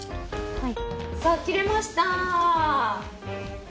はい。